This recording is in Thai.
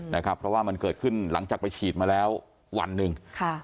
เพราะว่ามันเกิดขึ้นหลังจากไปฉีดมาแล้ววันหนึ่งค่ะ